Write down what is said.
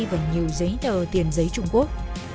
và nhiều giấy tờ tiền giấy trung quốc